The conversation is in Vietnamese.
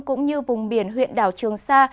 cũng như vùng biển huyện đảo trường sa